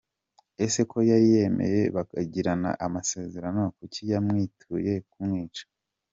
Ese ko yari yemeye bakagirana amasezerano, kuki yamwituye kumwica?!